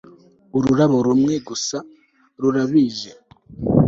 ururabo rumwe gusa rurabije